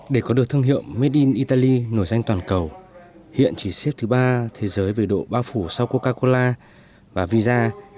để có được thương hiệu made in italy nổi danh toàn cầu hiện chỉ xếp thứ ba thế giới về độ bao phủ sau coca cola và visa